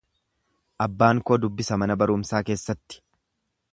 Abbaan koo dubbisa mana barumsaa keessatti.